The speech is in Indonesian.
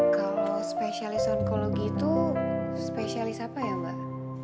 kalau spesialis onkologi itu spesialis apa ya mbak